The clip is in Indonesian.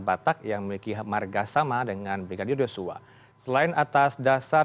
batak yang memiliki hamarga sama dengan brigadier suhahtabarat selain atas dasar